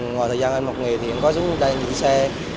ngoài thời gian em học nghề thì em có giúp đỡ những chiếc xe